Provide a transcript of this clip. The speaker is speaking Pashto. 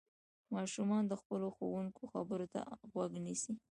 ماشومان د خپلو ښوونکو خبرو ته غوږ نيسي.